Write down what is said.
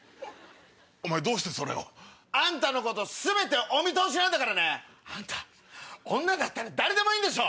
お前どうしてそれを？あんたのこと全てお見通しなんだからね！あんた女だったら誰でもいいんでしょ？